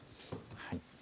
はい。